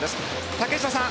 竹下さん